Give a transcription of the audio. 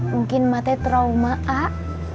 mungkin matanya trauma ah